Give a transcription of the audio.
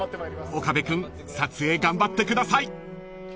［岡部君撮影頑張ってください］